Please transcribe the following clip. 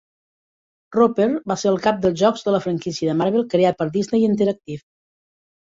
Roper va ser el cap de jocs de la franquícia de Marvel creat per Disney Interactive.